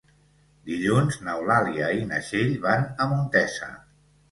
Dilluns n'Eulàlia i na Txell van a Montesa.